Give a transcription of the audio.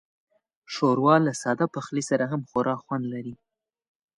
ښوروا له ساده پخلي سره هم خورا خوند لري.